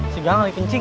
si gang lagi kencing